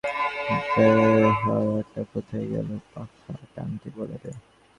বেহারাটা কোথায় গেল, পাখা টানতে বলে দে।